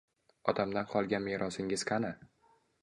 Otamdan qolgan merosingiz qani?